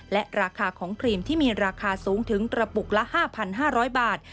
และราคาของครีมที่มีราคาสูงถึงกระปุกละ๕๕๐๐บาท